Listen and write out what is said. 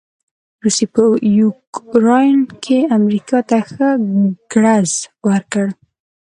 روسې په يوکراين کې امریکا ته ښه ګړز ورکړ.